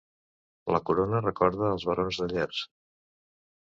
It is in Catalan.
La corona recorda els barons de Llers.